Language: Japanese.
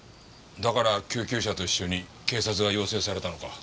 だから救急車と一緒に警察が要請されたのか。